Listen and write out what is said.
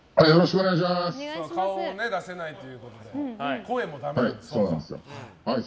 顔を出せないということで声もだめだと。